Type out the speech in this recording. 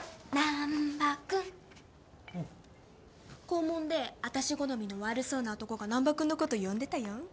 校門であたし好みの悪そうな男が難破君のこと呼んでたよ。